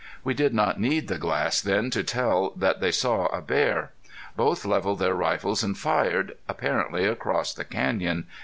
We did not need the glass then to tell that they saw a bear. Both leveled their rifles and fired, apparently across the canyon.